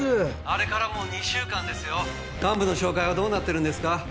あれからもう２週間ですよ幹部の紹介はどうなってるんですか？